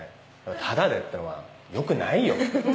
「タダでってのはよくないよ」って